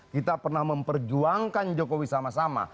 kita pernah memperjuangkan jokowi sama sama